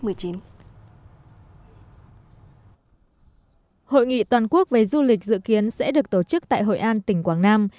hội nghị toàn quốc về du lịch dự kiến sẽ được tổ chức tại hội an tỉnh quảng nam